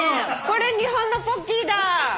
これ日本のポッキーだ！